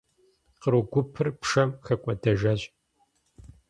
Къру гупыр пшэм хэкӏуэдэжащ.